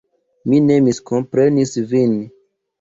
Mi ne miskomprenis vin.